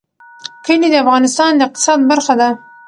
کلي د افغانستان د اقتصاد برخه ده.